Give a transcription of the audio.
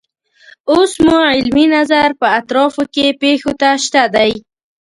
اوس مو علمي نظر په اطرافو کې پیښو ته شته دی.